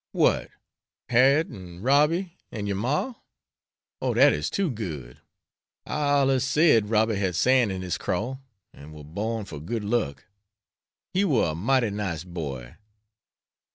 "What, Har'yet, and Robby, an' yer ma? Oh, dat is too good. I allers said Robby had san' in his craw, and war born for good luck. He war a mighty nice boy.